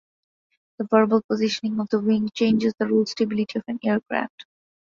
The vertical positioning of the wing changes the roll stability of an aircraft.